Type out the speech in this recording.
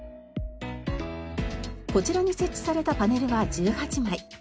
こちらに設置されたパネルは１８枚。